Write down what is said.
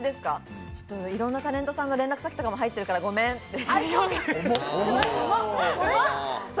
いろんなタレントさんの連絡先も入っているから、ごめんって言う。